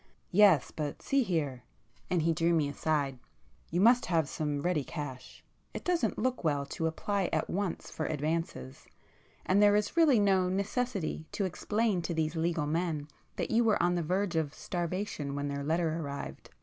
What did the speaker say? "Yes—but see here,"—and he drew me aside—"You must have some ready cash. It doesn't look well to apply [p 45] at once for advances,—and there is really no necessity to explain to these legal men that you were on the verge of starvation when their letter arrived.